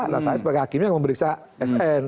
nah saya sebagai hakimnya yang memeriksa sn